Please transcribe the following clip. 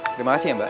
terima kasih ya mbak